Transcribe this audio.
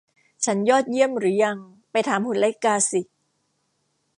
ฉันยอดเยี่ยมหรือยัง ไปถามหุ่นไล่กาสิ